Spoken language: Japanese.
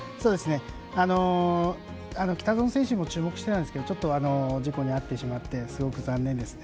北薗選手も注目していたんですが事故に遭ってしまってすごく残念ですね。